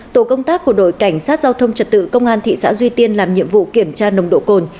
tổ công tác của đội cảnh sát giao thông trật tự công an thị xã duy tiên làm nhiệm vụ kiểm tra nồng độ cồn